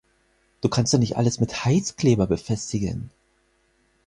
Du kannst doch nicht alles mit Heißkleber befestigen!